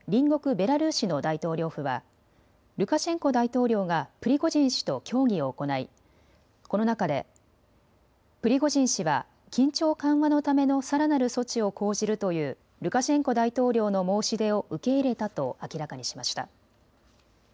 ベラルーシの大統領府はルカシェンコ大統領がプリゴジン氏と協議を行いこの中でプリゴジン氏は緊張緩和のためのさらなる措置を講じるというルカシェンコ大統領の申し出を受け入れたと明らかにしました。